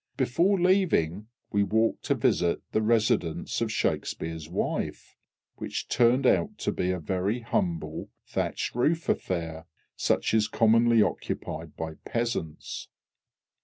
Before leaving, we walked to visit the residence of SHAKSPEARE'S wife, which turned out to be a very humble thatched roof affair, such as is commonly occupied by peasants.